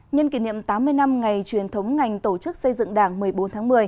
nhân kỷ niệm tám mươi năm ngày truyền thống ngành tổ chức xây dựng đảng một mươi bốn tháng một mươi